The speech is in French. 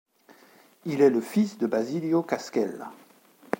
Il est le fils de Basilio Cascella.